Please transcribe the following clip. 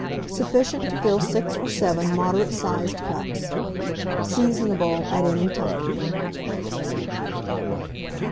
Sufficient to fill 6 or 7 moderate sized cups. Seasonable at any time.